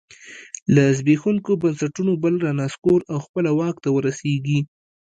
له زبېښونکو بنسټونو بل رانسکور او خپله واک ته ورسېږي